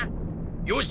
よし！